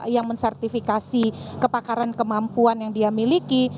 yang mensertifikasi kepakaran kemampuan yang dia miliki